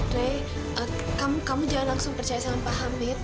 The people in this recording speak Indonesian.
dray kamu jangan langsung percaya sama pak hamid